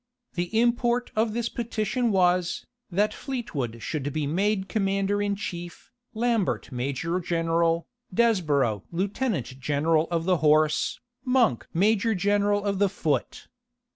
The import of this petition was, that Fleetwood should be made commander in chief, Lambert major general, Desborow lieutenant general of the horse, Monk major general of the foot.